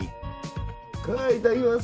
いただきます。